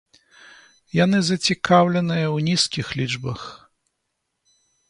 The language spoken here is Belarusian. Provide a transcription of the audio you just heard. Яны зацікаўленыя ў нізкіх лічбах.